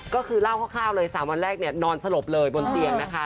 ก็คือเล่าคร่าวเลย๓วันแรกเนี่ยนอนสลบเลยบนเตียงนะคะ